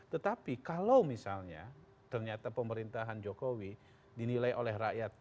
tetapi kalau misalnya ternyata pemerintahan jokowi dinilai oleh rakyat